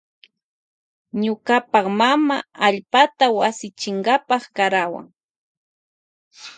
Ñuka mama karawan allpata wasi chinkapa.